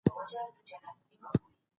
دواخان مينه پال روح الله ساقي يار